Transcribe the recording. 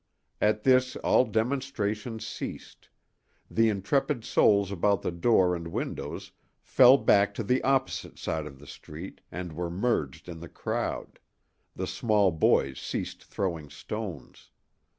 At this all demonstrations ceased; the intrepid souls about the door and windows fell back to the opposite side of the street and were merged in the crowd; the small boys ceased throwing stones.